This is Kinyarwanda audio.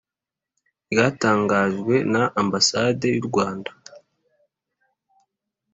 ryatangajwe na ambasade y'u rwanda: